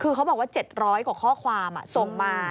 คือเขาบอกว่า๗๐๐กว่าข้อความส่งมา